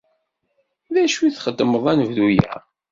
D acu i txedmeḍ anebdu-a?